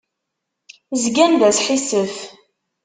Zgan d asḥissef.